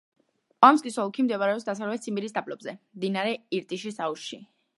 ომსკის ოლქი მდებარეობს დასავლეთ ციმბირის დაბლობზე, მდინარე ირტიშის აუზში.